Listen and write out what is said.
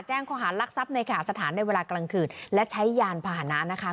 ข้อหารลักทรัพย์ในขาสถานในเวลากลางคืนและใช้ยานพาหนะนะคะ